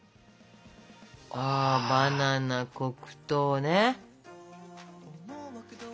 バナナ黒糖ね。